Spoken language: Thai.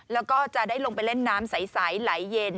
แล้วก็จะได้ลงไปเล่นน้ำใสไหลเย็น